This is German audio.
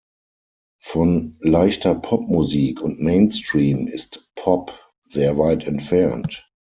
Von „leichter Pop-Musik“ und Mainstream ist "Pop" sehr weit entfernt.